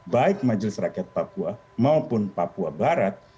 baik majelis rakyat papua maupun papua barat